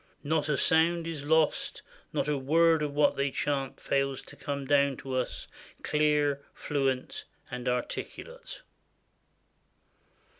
Not a sound is lost; not a word of what they chant fails to come down to us, clear, fluent, and articulate."